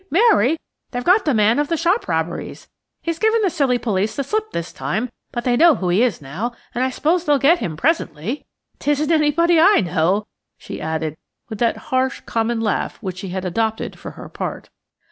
Mary! they've got the man of the shop robberies. He's given the silly police the slip this time, but they know who he is now, and I suppose they'll get him presently. 'Tisn't anybody I know," she added, with that harsh, common laugh which she had adopted for her part.